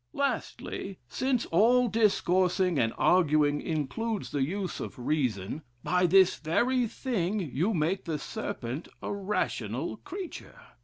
"Lastly, since all discoursing and arguing includes the use of reason, by this very thing you make the serpent a rational creature.